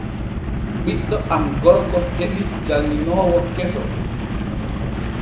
Ɓiɗɗo am gorko heɓi janŋinoowo keso.